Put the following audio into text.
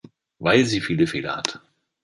Weil sie viele Fehler hat.